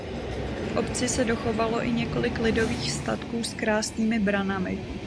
V obci se dochovalo i několik lidových statků s krásnými branami.